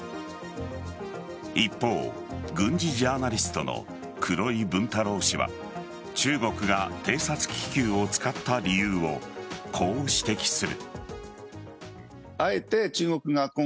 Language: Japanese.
一方、軍事ジャーナリストの黒井文太郎氏は中国が偵察気球を使った理由をこう指摘する。